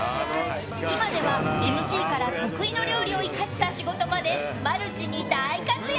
今ではＭＣから得意の料理を生かした仕事までマルチに大活躍！